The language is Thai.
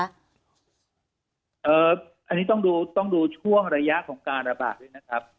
อันนี้ต้องดูต้องดูช่วงระยะของการระบาดด้วยนะครับ